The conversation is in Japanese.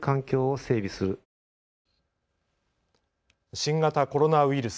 新型コロナウイルス。